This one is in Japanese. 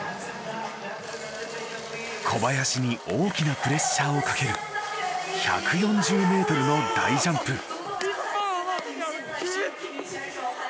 小林に大きなプレッシャーをかける１４０ｍの大ジャンプ。